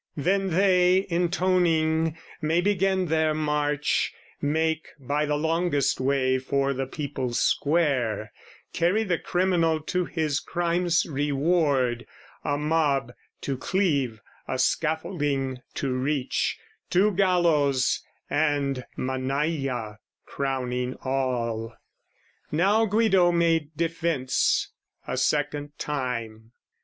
Then they, intoning, may begin their march, Make by the longest way for the People's Square, Carry the criminal to his crime's reward: A mob to cleave, a scaffolding to reach, Two gallows and Mannaia crowning all. Now Guido made defence a second time.